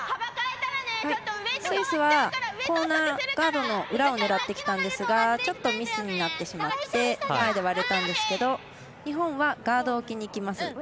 スイスはコーナーガードの裏を狙ってきたんですがちょっとミスになってしまって前で割れたんですけど日本はガードを置きにいきます。